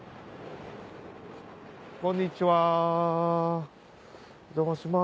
こんにちはお邪魔します。